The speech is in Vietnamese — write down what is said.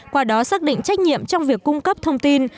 qua đó xác định trách nhiệm trong việc cung cấp thông tin